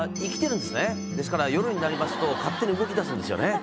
ですから夜になりますと勝手に動きだすんですよね。